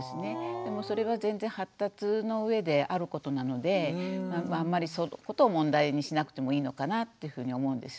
でもそれは全然発達の上であることなのであんまりそのことを問題にしなくてもいいのかなってふうに思うんです。